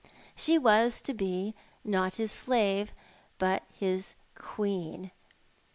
She was to be, not his slave, but his queen.